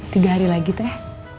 tiga hari lagi teh